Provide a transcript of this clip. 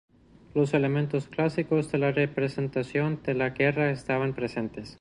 Los elementos clásicos de la representación de la guerra están presentes.